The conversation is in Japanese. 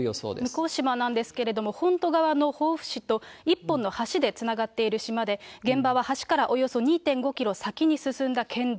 向島なんですけれども、本土側の防府市と１本の橋でつながっている島で、現場は橋からおよそ２．５キロ先に進んだ県道。